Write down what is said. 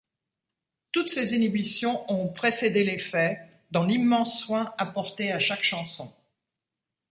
Toutes ses inhibitions ont précédé les faits, dans l'immense soin apporté à chaque chanson.